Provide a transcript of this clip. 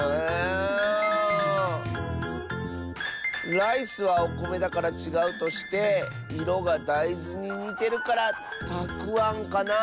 ライスはおこめだからちがうとしていろがだいずににてるからたくあんかなあ。